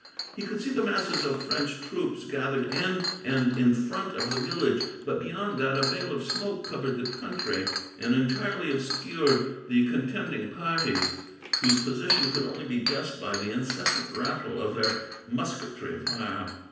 He could see the masses of French troops, gathered in and in front of the village; but beyond that a veil of smoke covered the country, and entirely obscured the contending parties, whose position could only be guessed by the incessant rattle of their musketry fire.